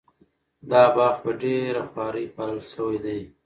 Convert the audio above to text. دا باغ په ډېره خواري پالل شوی دی.